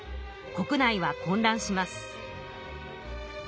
国内は混らんします。